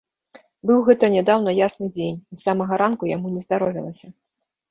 Быў гэта нядаўна ясны дзень, і з самага ранку яму нездаровілася.